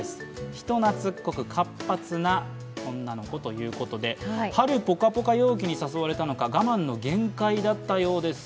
人なつっこく活発な女の子ということで春ポカポカ陽気に誘われたのか我慢の限界だったようです。